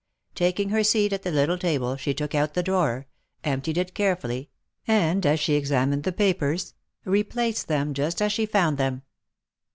Taking her seat at the little table, she took out the drawer, emptied it carefully, and as she examined the papers, replaced them just as she found them.